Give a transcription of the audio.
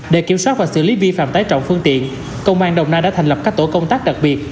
để kiểm soát và xử lý vi phạm tái trọng phương tiện công an đồng nai đã thành lập các tổ công tác đặc biệt